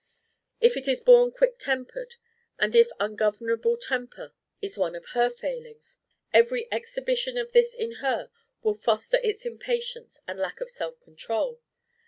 If it is born quick tempered, and if ungovernable temper is one of her failings, every exhibition of this in her will foster its impatience and lack of self control.